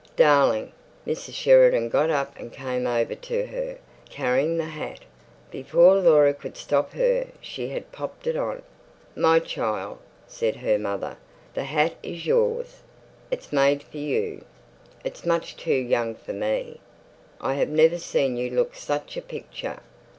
"Darling!" Mrs. Sheridan got up and came over to her, carrying the hat. Before Laura could stop her she had popped it on. "My child!" said her mother, "the hat is yours. It's made for you. It's much too young for me. I have never seen you look such a picture.